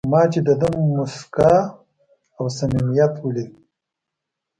ما چې د ده موسکا او صمیمیت ولید.